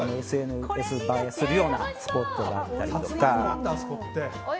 ＳＮＳ映えするようなスポットがあったりだとか。